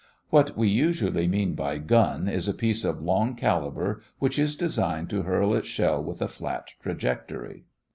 What we usually mean by "gun" is a piece of long caliber which is designed to hurl its shell with a flat trajectory.